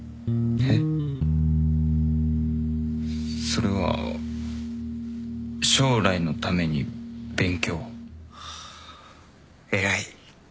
それは将来のために勉強。は偉い。